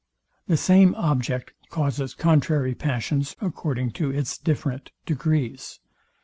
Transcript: The same object causes contrary passions according to its different degrees.